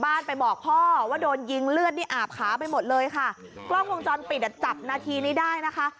บ้านไปบอกพ่อว่าโดนยิงเลือดนี่อาบขาไปหมดเลยค่ะกล้องวงจรปิดอ่ะจับนาทีนี้ได้นะคะ